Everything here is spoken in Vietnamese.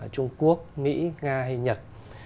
trung quốc mỹ nga hay nhật